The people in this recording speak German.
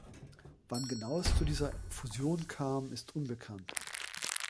Wann genau es zu dieser Fusion kam, ist unbekannt.